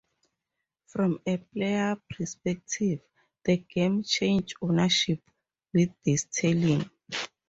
From a player perspective, the game changed ownership with this telling.